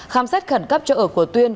khám sát khẩn cấp cho ở của tuyên